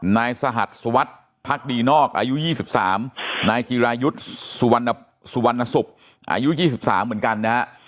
นายสหัตลสวัสดินอกอายุ๒๓ปีนายกิรายุสุวรรณสุปอายุ๒๓ปีเหมือนกันนะฮะ